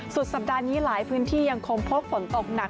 สุดสัปดาห์นี้หลายพื้นที่ยังคงพบฝนตกหนัก